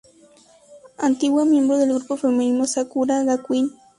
Antigua miembro del grupo femenino Sakura Gakuin.